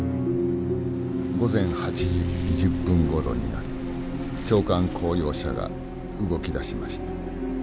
午前８時２０分ごろになり長官公用車が動き出しました。